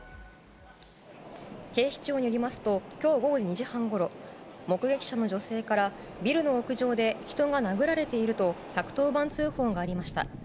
警視庁によりますと今日午後２時半ごろ目撃者の女性からビルの屋上で人が殴られていると１１０番通報がありました。